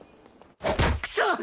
クソッ！